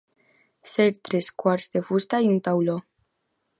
Ser tres quarts de fusta i un tauló.